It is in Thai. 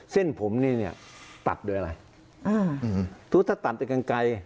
เส้นผมเนี่ยตัดโดยอะไรถูกว่าถ้าตัดจากกลางไกล